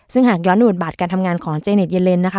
ซึ่งหากย้อนอุดบัตรการทำงานของเจเนทเยเลนนะคะ